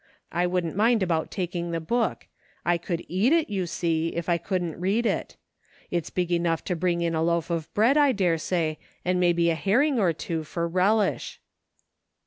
I wouldn't mind about taking the book ; I could eat it, you see, if I couldn't read it. It's big enough to bring in a loaf of bread, I dare say, and maybe a herring or two for relish."